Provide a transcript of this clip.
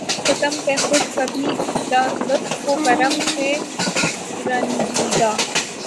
ستم پہ خوش کبھی لطف و کرم سے رنجیدہ